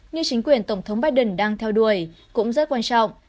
như chính quyền tổng thống biden đang theo đuổi cũng rất quan trọng